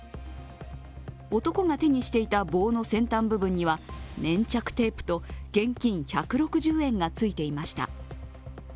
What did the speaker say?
男が手にしていた棒の先端部分には粘着テープと現金１６０円がついていました。